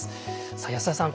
さあ安田さん